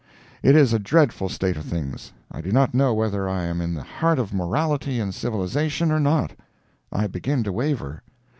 It is a dreadful state of things. I do not know whether I am in the heart of morality and civilization, or not. I begin to waver.